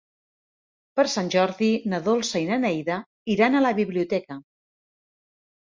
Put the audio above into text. Per Sant Jordi na Dolça i na Neida iran a la biblioteca.